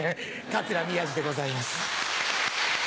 桂宮治でございます。